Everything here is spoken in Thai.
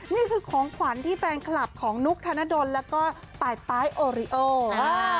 นี่คือของขวัญที่แฟนคลับของนุกธนดลแล้วก็ปลายปลายออเรียลอ่า